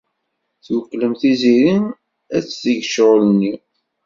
Twekklem Tiziri ad teg ccɣel-nni.